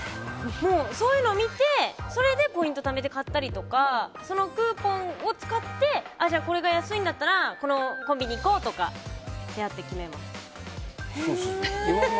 そういうの見てそれでポイントためて買ったりとかそのクーポンを使ってこれが安いんだったらこのコンビ二行こうとかやって、決めます。